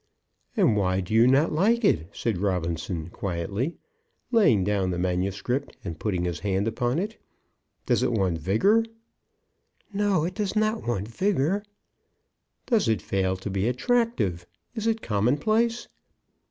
"And why do you not like it?" said Robinson, quietly laying down the manuscript, and putting his hand upon it. "Does it want vigour?" "No; it does not want vigour." "Does it fail to be attractive? Is it commonplace?"